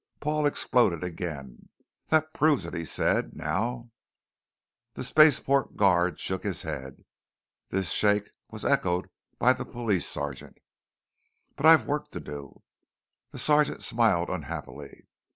Paul exploded again. "That proves it," he said. "Now " The spaceport guard shook his head. This shake was echoed by the sergeant of police. "But I've work to do " The sergeant smiled unhappily.